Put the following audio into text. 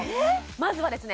まずはですね